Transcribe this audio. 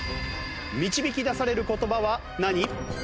導き出される言葉は何？